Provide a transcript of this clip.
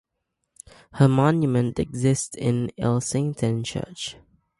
Her monument exists in Ilsington Church.